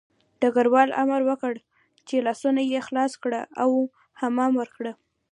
ډګروال امر وکړ چې لاسونه یې خلاص کړه او حمام ورکړه